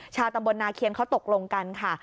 ชาวตำบลนาเคียนเขาตกลงกันค่ะ